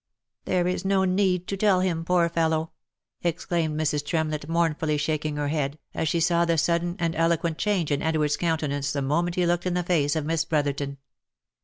" There is no need to tell him, poor fellow !" exclaimed Mrs. Trem lett, mournfully shaking her head, as she saw the sudden and eloquent change in Edward's countenance the moment he looked in the face of Miss Brotherton.